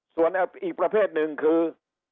ส่วนอีกประเภทหนึ่งคือ